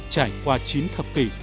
trải qua chín thập kỷ